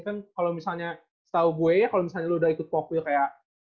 kan kalau misalnya setau gue kalau misalnya lo udah ikut popnya kayak